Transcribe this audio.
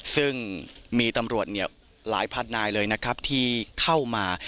ซึ่งมีตำรวจหลายพันนายเลยนะครับที่เข้ามา